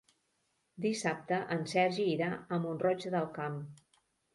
Dissabte en Sergi irà a Mont-roig del Camp.